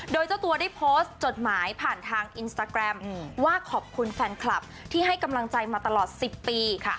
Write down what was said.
โดยเจ้าตัวได้โพสต์จดหมายผ่านทางอินสตาแกรมว่าขอบคุณแฟนคลับที่ให้กำลังใจมาตลอด๑๐ปีค่ะ